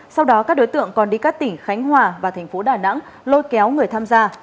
sau đó các đối tượng còn đi các tỉnh khánh hòa và thành phố đà nẵng lôi kéo người tham gia